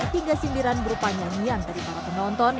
tiga sindiran berupa nyanyian dari para penonton